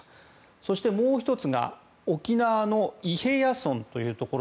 そして、もう１つが沖縄の伊平屋村というところ。